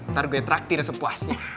ntar gue traktir sepuasnya